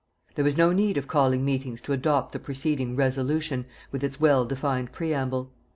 There was no need of calling meetings to adopt the preceding "Resolution" with its well defined preamble.